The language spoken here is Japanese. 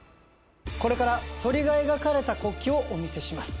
これから鳥が描かれた国旗をお見せします